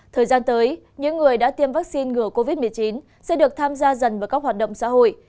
thời gian tới những người đã tiêm vaccine ngừa covid một mươi chín sẽ được tham gia dần vào các hoạt động xã hội